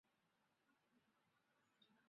为往返新山及马来半岛的旅客提供服务。